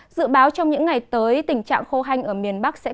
dự báo trong những ngày tới tình trạng khô hanh ở miền bắc sẽ cố gắng